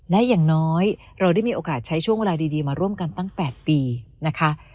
และอย่างน้อยเราได้มีโอกาสใช้ช่วงเวลาดีมาร่วมกันตั้ง๘ปีนะคะ